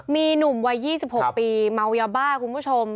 มีหนุ่มวัย๒๖ปีเมายาบ้าคุณผู้ชม